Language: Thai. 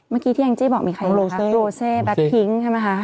เมื่อกี้ที่แองจี้บอกมีใครรู้คะโรเซแบ็คพิ้งใช่ไหมคะ